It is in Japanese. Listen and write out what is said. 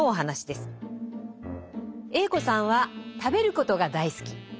Ａ子さんは食べることが大好き。